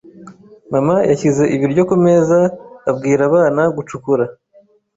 Mama yashyize ibiryo kumeza abwira abana gucukura.